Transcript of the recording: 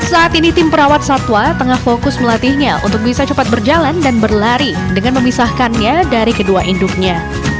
saat ini tim perawat satwa tengah fokus melatihnya untuk bisa cepat berjalan dan berlari dengan memisahkannya dari kedua induknya